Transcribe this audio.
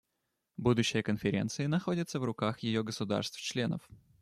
Будущее Конференции находится в руках ее государств-членов.